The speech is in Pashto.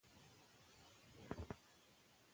ملي نواميس بايد وساتل شي.